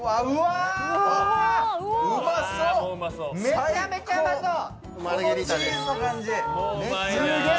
めちゃめちゃうまそう！